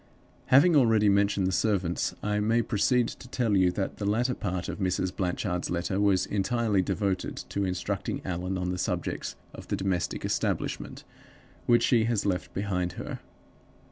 "Having already mentioned the servants, I may proceed to tell you that the latter part of Mrs. Blanchard's letter was entirely devoted to instructing Allan on the subject of the domestic establishment which she has left behind her.